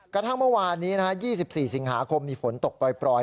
กระทั่งเมื่อวานนี้๒๔สิงหาคมมีฝนตกปล่อย